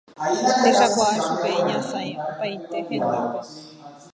Techakuaa chupe iñasãi opaite hendápe.